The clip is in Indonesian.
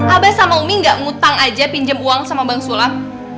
abah sama umi gak ngutang aja pinjam uang sama bang sulap